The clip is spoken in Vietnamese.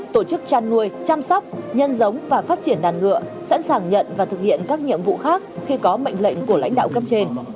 tổ chức chăn nuôi chăm sóc nhân giống và phát triển đàn ngựa sẵn sàng nhận và thực hiện các nhiệm vụ khác khi có mệnh lệnh của lãnh đạo cấp trên